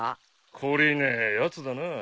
懲りねえやつだな。